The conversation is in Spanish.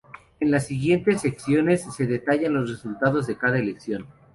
En las siguientes secciones se detallan los resultados de cada elección.